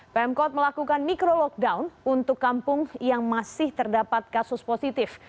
pemkot melakukan micro lockdown untuk kampung yang masih terdapat kasus positif